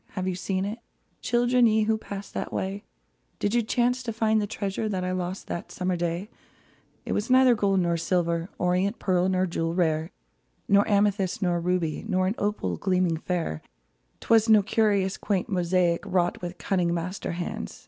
Have you seen it, Children, ye who passed that way ? Did you chance to find the treasure That I lost that summer day ? It was neither gold nor silver. Orient pearl nor jewel rare ; Neither amethyst nor ruby, Nor an opal gleaming fair ; 'Twas no curious, quaint mosaic Wrought by cunning master hands.